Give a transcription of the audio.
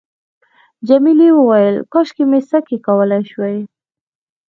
جميلې وويل:، کاشکې مې سکی کولای شوای.